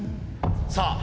さあ